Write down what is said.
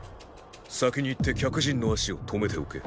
先に行って客人の足を止めておけ。